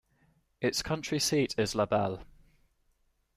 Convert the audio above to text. Its county seat is LaBelle.